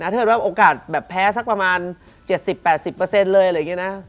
เทศว่าโอกาสแพ้สักประมาณ๗๐๘๐เปอร์เซ็นต์เลยอะไรอย่างนี้นะ